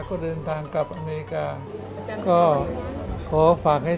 โปรดติดตามต่อไป